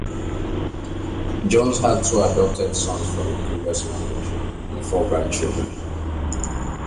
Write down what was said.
Jones had two adopted sons from a previous marriage, and four grandchildren.